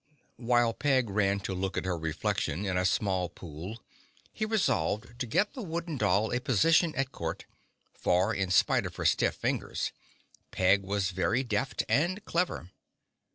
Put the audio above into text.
While Peg ran to look at her reflection in a small pool he resolved to get the Wooden Doll a position at Court, for, in spite of her stiff fingers, Peg was very deft and clever.